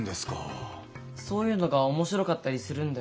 そういうのが面白かったりするんだよ。